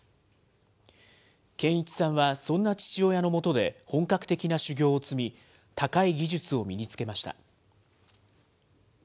建一さんはそんな父親の下で、本格的な修業を積み、高い技術を身につけました。